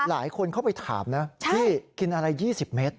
หลายคนเข้าไปถามนะพี่กินอะไร๒๐เมตร